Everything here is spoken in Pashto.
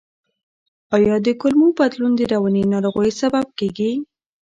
آیا د کولمو بدلون د رواني ناروغیو سبب کیږي؟